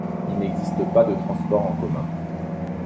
Il n'existe pas de transports en commun.